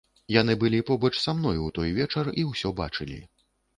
Яны былі побач са мной у той вечар і ўсё бачылі.